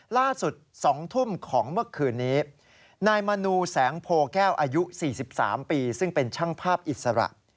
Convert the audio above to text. ล่าสุด๒ทุ่มของเมื่อคืนนี้นายมนูแสงโพแก้วอายุ๔๓ปีซึ่งเป็นช่างภาพอิสระ